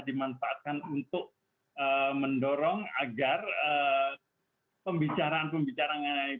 dimanfaatkan untuk mendorong agar pembicaraan pembicaraan